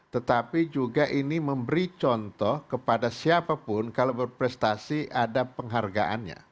tetapi juga ini memberi contoh kepada siapapun kalau berprestasi ada penghargaannya